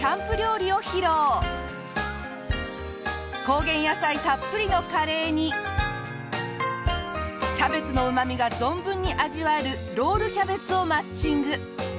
高原野菜たっぷりのカレーにキャベツのうま味が存分に味わえるロールキャベツをマッチング。